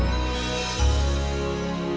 sampai jumpa lagi